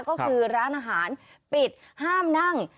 ก็คือร้านอาหารปิดห้ามนั่ง